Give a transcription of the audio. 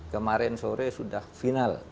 kemarin sore sudah final